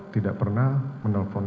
tidak pernah menelpon